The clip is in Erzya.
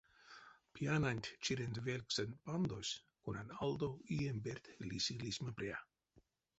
Пьянанть чирензэ велькссэ пандось, конань алдо иень перть лиси лисьмапря.